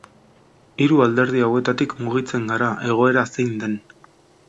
Hiru alderdi hauetatik mugitzen gara egoera zein den.